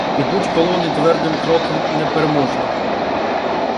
Ідуть колони твердим кроком непереможних.